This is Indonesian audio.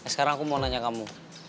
sekarang aku mau nanya kamu